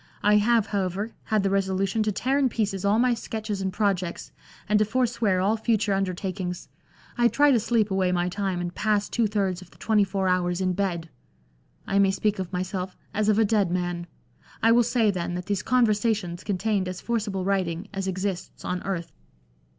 I have, however, had the resolution to tear in pieces all my sketches and projects, and to forswear all future undertakings. I try to sleep away my time, and pass two thirds of the twenty four hours in bed. I may speak of myself as of a dead man. I will say, then, that these Conversations contained as forcible writing as exists on earth."